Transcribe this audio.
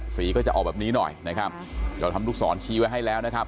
สีก็จะออกแบบนี้หน่อยนะครับเราทำลูกศรชี้ไว้ให้แล้วนะครับ